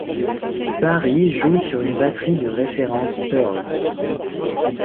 Barry joue sur une batterie de référence Pearl.